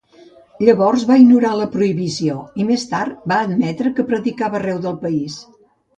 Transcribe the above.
Llavors, va ignorar la prohibició i més tard va admetre que predicava arreu del país.